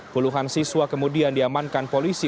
puluhan siswa kemudian diamankan polisi